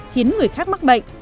khiến người khác mắc bệnh